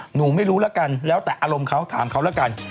หนูไม่รู้แล้วกันแล้วแต่อารมณ์เขาถามเขาแล้วกัน